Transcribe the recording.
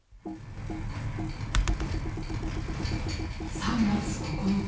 ３月９日。